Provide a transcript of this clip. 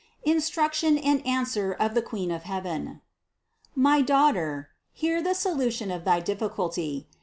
INSTRUCTION AND ANSWER OF THE QUEEN OF HEAVEN. 322. My daughter, hear the solution of thy difficulty.